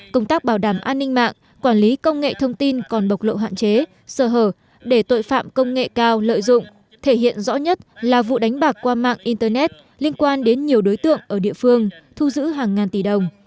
công tác bảo đảm an ninh mạng quản lý công nghệ thông tin còn bộc lộ hạn chế sờ hở để tội phạm công nghệ cao lợi dụng thể hiện rõ nhất là vụ đánh bạc qua mạng internet liên quan đến nhiều đối tượng ở địa phương thu giữ hàng ngàn tỷ đồng